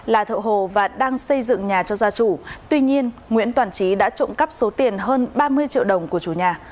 là thợ hồ và đang xây dựng nhà cho gia chủ tuy nhiên nguyễn toàn trí đã trộm cắp số tiền hơn ba mươi triệu đồng của chủ nhà